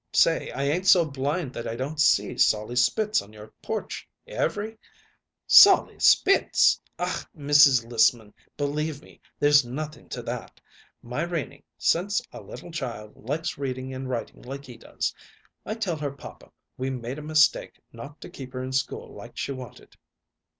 Say, I ain't so blind that I don't see Sollie Spitz on your porch every " "Sollie Spitz! Ach, Mrs. Lissman, believe me, there's nothing to that! My Renie since a little child likes reading and writing like he does. I tell her papa we made a mistake not to keep her in school like she wanted."